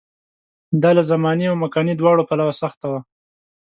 دا له زماني او مکاني دواړو پلوه سخته وه.